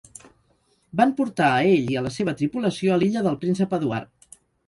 Van portar a ell i a la seva tripulació a l'Illa del Príncep Eduard.